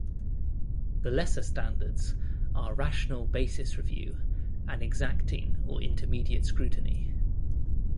The lesser standards are rational basis review and exacting or intermediate scrutiny.